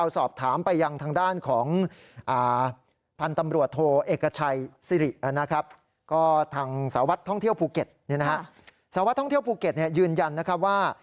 สาวท่องเที่ยวภูเก็ตยืนยันว่า